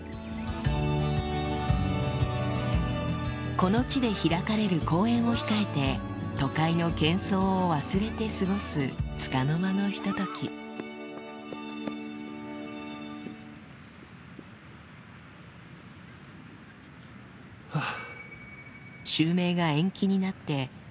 この地で開かれる公演を控えて都会の喧騒を忘れて過ごすつかの間のひとときはぁ。